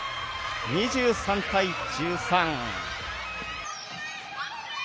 ２３対１３。